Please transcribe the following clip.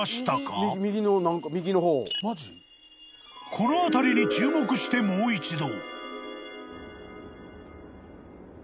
［この辺りに注目してもう一度］